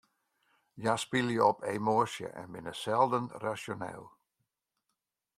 Hja spylje op emoasjes en binne selden rasjoneel.